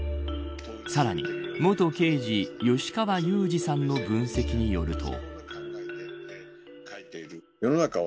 さらに元刑事吉川祐二さんの分析によると。